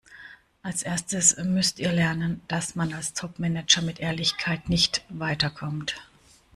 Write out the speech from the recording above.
Als Erstes müsst ihr lernen, dass man als Topmanager mit Ehrlichkeit nicht weiterkommt.